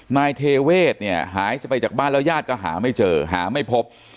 นายเทเวศหายไปจากบ้านแล้วยาดก็หาไม่เจอหาไม่พบ